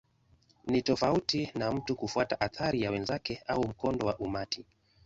Ni tofauti na mtu kufuata athari ya wenzake au mkondo wa umati.